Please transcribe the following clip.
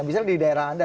bisa di daerah anda